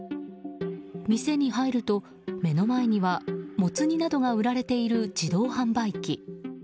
店に入ると、目の前にはもつ煮などが売られている自動販売機。